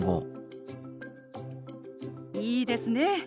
いいですね。